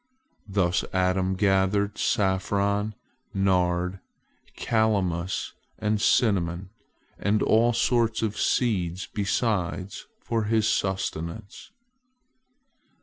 Thus Adam gathered saffron, nard, calamus, and cinnamon, and all sorts of seeds besides for his sustenance.